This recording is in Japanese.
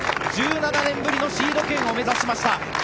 １７年ぶりのシード権を目指しました。